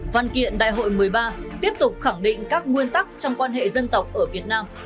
văn kiện đại hội một mươi ba tiếp tục khẳng định các nguyên tắc trong quan hệ dân tộc ở việt nam